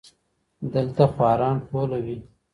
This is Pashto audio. دلته خواران ټوله وي